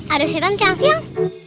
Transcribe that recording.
ada setan siang siang